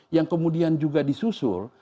yang kemudian juga disusul